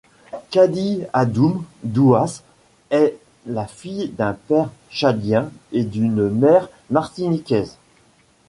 Kady Adoum-Douass est la fille d’un père tchadien et d’une mère martiniquaise.